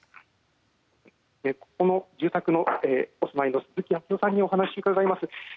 この住宅にお住まいの鈴木章夫さんに伺います。